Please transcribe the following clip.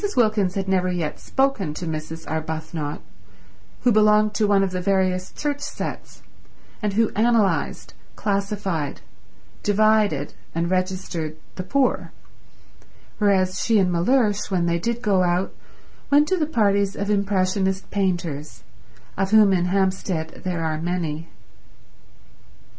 Wilkins had never yet spoken to Mrs. Arbuthnot, who belonged to one of the various church sets, and who analysed, classified, divided and registered the poor; whereas she and Mellersh, when they did go out, went to the parties of impressionist painters, of whom in Hampstead there were many.